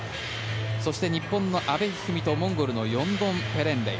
そして日本の阿部一二三とモンゴルのヨンドンペレンレイ。